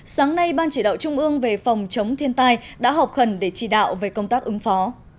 sáng nay ban chỉ đạo trung ương về phòng chống thiên tai đã họp khẩn để chỉ đạo về công tác ứng phó